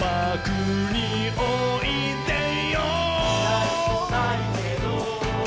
「なにもないけど」